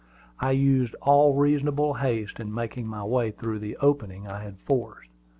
I used all reasonable haste in making my way through the opening I had forced.